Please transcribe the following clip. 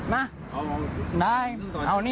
มา